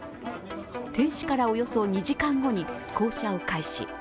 停止からおよそ２時間後に降車を開始。